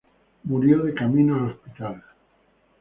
Murió de camino al hospital.